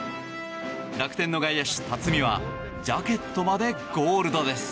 楽天の外野手、辰己はジャケットまでゴールドです。